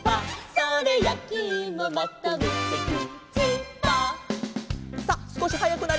「それやきいもまとめてグーチーパー」さあすこしはやくなりますよ。